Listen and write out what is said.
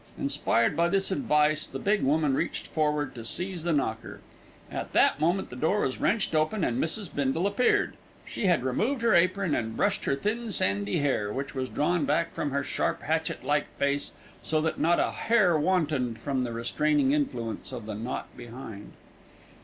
Inspired by this advice, the big woman reached forward to seize the knocker. At that moment the door was wrenched open, and Mrs. Bindle appeared. She had removed her apron and brushed her thin, sandy hair, which was drawn back from her sharp, hatchet like face so that not a hair wantoned from the restraining influence of the knot behind.